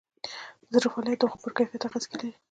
د زړه فعالیت د خوب پر کیفیت اغېز لري.